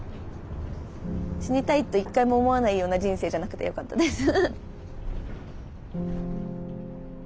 死にたいと一回も思わないような人生じゃなくてよかったです。